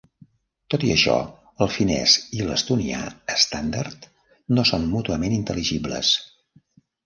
Tot i això, el finès i l'estonià estàndard no són mútuament intel·ligibles.